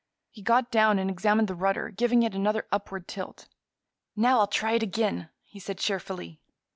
He got down and examined the rudder, giving it another upward tilt. "Now I'll try again," he said cheerfully.